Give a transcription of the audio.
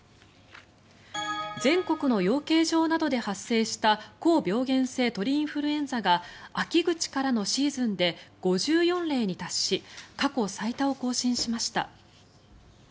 全国の養鶏場などで発生した高病原性鳥インフルエンザが秋口からのシーズンで５４例に達し過去最多を更新しました。